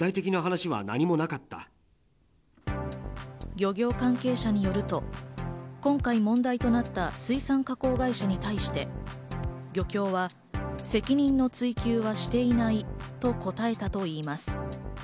漁業関係者によると、今回問題となった水産加工会社に対して漁協は責任の追及はしていないと答えたといいます。